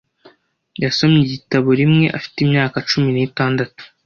Yasomye igitabo rimwe afite imyaka cumi n'itandatu.